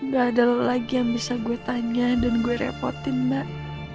gak ada lagi yang bisa gue tanya dan gue repotin mbak